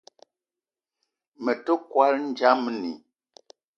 Me te kwal ndjamni